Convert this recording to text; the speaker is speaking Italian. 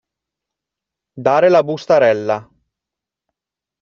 Dare la bustarella.